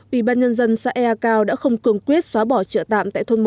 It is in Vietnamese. ủy ban nhân dân xã ea cao đã không cường quyết xóa bỏ trợ tạm tại thôn một